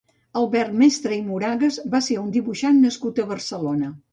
Albert Mestre i Moragas va ser un dibuixant nascut a Barcelona.